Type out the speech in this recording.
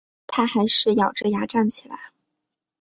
她还是咬著牙站起身